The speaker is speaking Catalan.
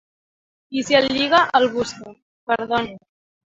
I si el lliga, el busca. —Perdoni.